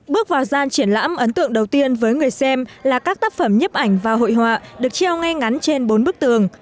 bước vào gian triển lãm ấn tượng đầu tiên với người xem là các tác phẩm nhiếp ảnh và hội họa được treo ngay ngắn trên bốn bức tường